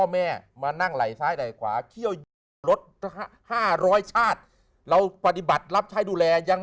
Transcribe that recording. แม่มานั่งไหล่ซ้ายไหล่ขวาเขี้ยวยอด๕๐๐ชาติเราปฏิบัติรับใช้ดูแลยัง